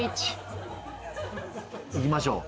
行きましょう。